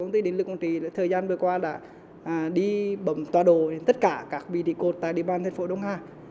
thời gian vừa qua đã đi bấm toa đồ trên tất cả các vị trí cột tại địa bàn thành phố đông hà